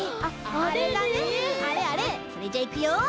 それじゃいくよ！